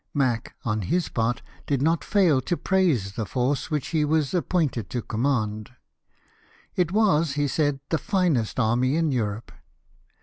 Mack on his part did not fail to praise the force Avhich he was ap pomted to command. " It was/' he said, '' the finest army in Europe."